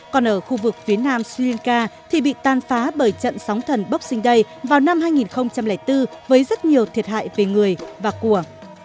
còn ở khu vực phía nam sri lanka thì bị tan phá bởi trận sóng thần bốc sinh day vào năm hai nghìn bốn với rất nhiều thiệt hại về người và của